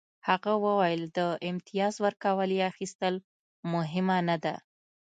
هغه وویل د امتیاز ورکول یا اخیستل مهمه نه ده